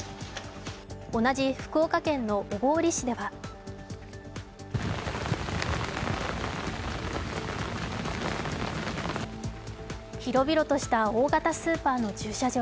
同じ福岡県の小郡市では広々とした大型スーパーの駐車場。